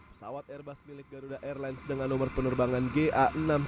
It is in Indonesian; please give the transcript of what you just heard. pesawat airbus milik garuda airlines dengan nomor penerbangan ga enam ratus sepuluh